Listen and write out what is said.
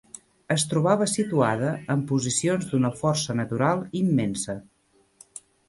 Es trobava situada en posicions d'una força natural immensa